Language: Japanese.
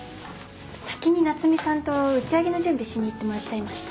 先に奈津美さんと打ち上げの準備しに行ってもらっちゃいました。